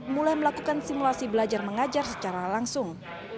mulai melakukan simulasi belajar mengajar secara langsung